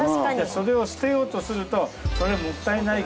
それを捨てようとすると。